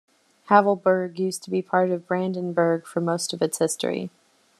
Havelberg used to be part of Brandenburg for most of its history.